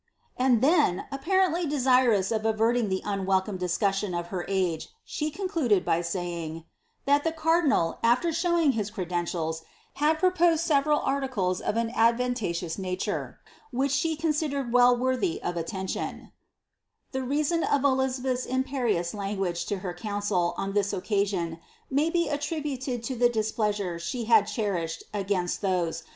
and then, apparently desirous of averting the unwelcome discussion of her age, she concluded by saying, ^^ that the cardinal, after showing his credentials, had proposed several articles of an advantageous nature, which she considered well worthy of atten The reason of Elizabeth^s imperious language to her council on this occasi(»n may be attributed to the displeasure she hud cherishrd against tlinse.